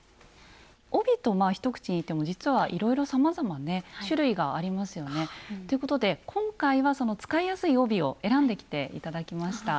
帯とまあ一口に言っても実はいろいろさまざまね種類がありますよねということで今回は使いやすい帯を選んできて頂きました。